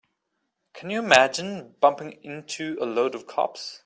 Can you imagine bumping into a load of cops?